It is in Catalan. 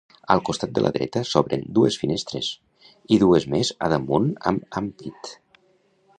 Al costat de la dreta s'obren dues finestres, i dues més a damunt amb ampit.